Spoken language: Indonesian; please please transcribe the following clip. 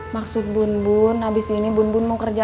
maksud bun bun habis ini bun bun mau kerja